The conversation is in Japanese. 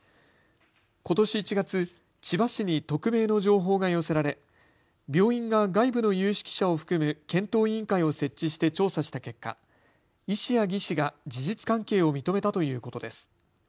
ことし１月、千葉市に匿名の情報が寄せられ病院が外部の有識者を含む検討委員会を設置して調査した結果、医師や技士が事実関係を認めたということです。